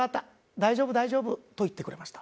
大丈夫大丈夫。と言ってくれました。